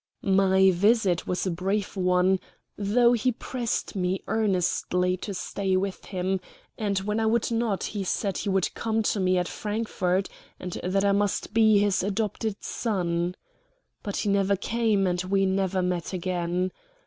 My visit was a brief one, though he pressed me earnestly to stay with him; and when I would not he said he would come to me at Frankfort, and that I must be his adopted son. But he never came, and we never met again.